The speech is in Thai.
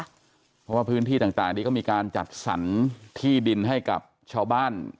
เพราะว่าพื้นที่ต่างนี้ก็มีการจัดสรรที่ดินให้กับชาวบ้าน